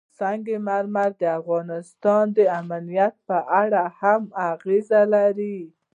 سنگ مرمر د افغانستان د امنیت په اړه هم اغېز لري.